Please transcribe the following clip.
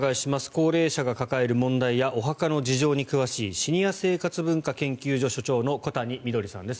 高齢者が抱える問題やお墓の事情に詳しいシニア生活文化研究所所長の小谷みどりさんです。